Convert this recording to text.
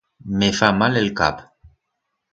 Me fa mal el cap.